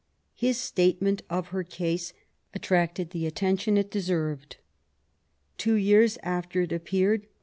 His statement of her case attracted the attention it deserved. Two years after it appeared.